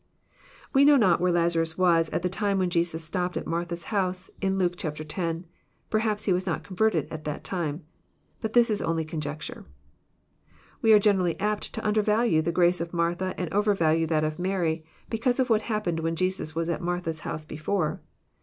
We know not where Lazarus was at the time when Jesus stopped at Martha's house, iu Luke x. : perhaps he was not con verted at that time. But this is only conjecture. We are generally apt to undervalue the grace of Martha and overvalue that of Mary, because of what happened when Jesus was at Martha's house before.